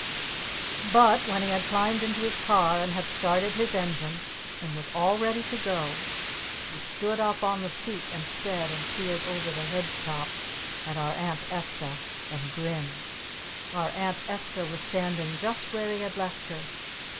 But when he had climbed into his car, and had started his engine, and was all ready to go, he stood up on the seat instead, and peered over the hedge top at our Aunt Esta! And grinned! Our Aunt Esta was standing just where he had left her.